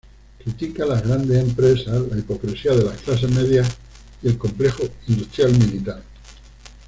Critica las grandes empresas, la hipocresía de las clases medias y el complejo industrial-militar.